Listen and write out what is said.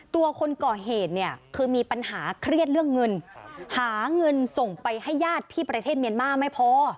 ตัวคนก่อเหตุเนี่ยคือมีปัญหาเครียดเรื่องเงินหาเงินส่งไปให้ญาติที่ประเทศเมียนมาร์ไม่พอ